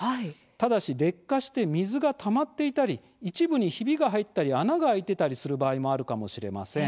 ただし劣化して水がたまっていたり一部にひびが入ったり穴が開いてたりする場合もあるかもしれません。